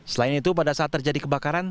selain itu pada saat terjadi kebakaran